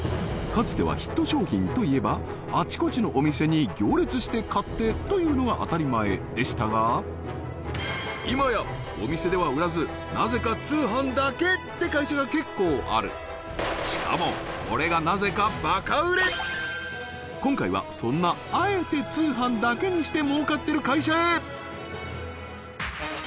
かつてはヒット商品といえばあちこちのお店に行列して買ってというのが当たり前でしたが今やお店では売らずなぜか通販だけって会社が結構あるしかもこれが今回はそんなあえてふざけてる？